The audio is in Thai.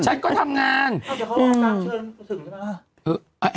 ฉันก็ทำงานเดี๋ยวเขาอาจารย์เชิญก็ถึงแล้วนะคะ